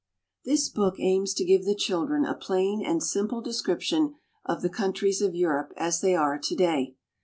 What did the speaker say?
This book aims to give the children a plain and simple de scription of the countries of Europe as they are to day.